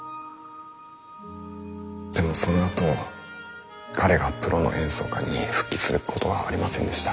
でもそのあと彼がプロの演奏家に復帰することはありませんでした。